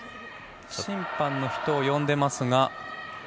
審判の人を呼んでますが。